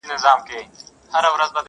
وعده پر رسېدو ده څوک به ځي څوک به راځي!!